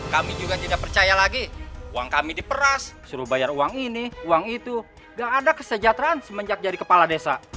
kami juga tidak percaya lagi uang kami diperas suruh bayar uang ini uang itu gak ada kesejahteraan semenjak jadi kepala desa